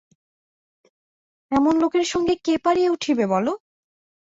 এমন লোকের সঙ্গে কে পারিয়া উঠিবে বলো।